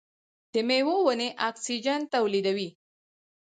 د میوو ونې اکسیجن تولیدوي.